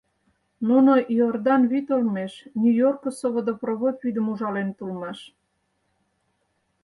Нуно Иордан вӱд олмеш Нью-Йоркысо водопровод вӱдым ужаленыт улмаш.